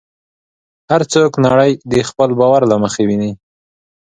هر څوک نړۍ د خپل باور له مخې ویني.